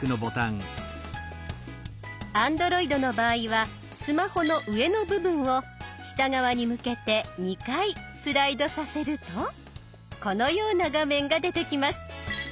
Ａｎｄｒｏｉｄの場合はスマホの上の部分を下側に向けて２回スライドさせるとこのような画面が出てきます。